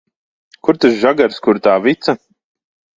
Kur tas žagars, kur tā vica?